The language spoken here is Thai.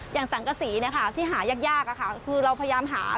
อย่างสังกสีนะคะที่หายากคือเราพยายามหา